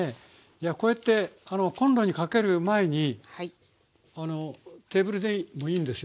こうやってコンロにかける前にテーブルでもいいんですよね？